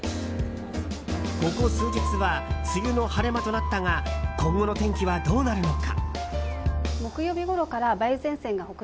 ここ数日は梅雨の晴れ間となったが今後の天気はどうなるのか。